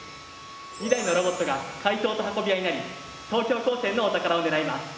２台のロボットが怪盗と運び屋になり東京高専のお宝を狙います。